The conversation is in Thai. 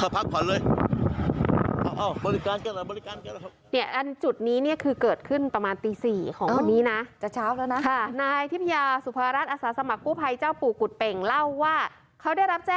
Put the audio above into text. เผ้าผักผ่อนเลยอ้าวบริการแก่หน่อยบริการแก่หน่อย